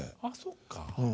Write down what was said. あそっか。